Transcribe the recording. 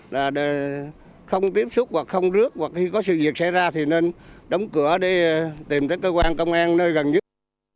là không tiếp xúc hoặc không rước hoặc khi có sự việc xảy ra thì nên đóng cửa để tìm tới cơ quan công an nơi gần nhất